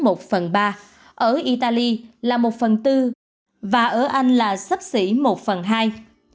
ở phần ba ở italy là một phần tư và ở anh là sấp xỉ một phần hai